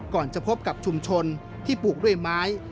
ก่อนจะพบกับชุมชนที่ปลูกด้วยไม้